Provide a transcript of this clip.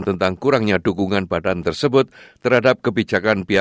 semua tempat ini terdapat dan diperbaiki